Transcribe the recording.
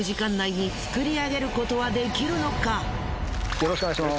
よろしくお願いします。